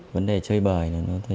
vấn đề chơi bời